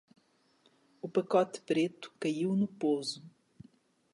O pacote preto caiu no pouso.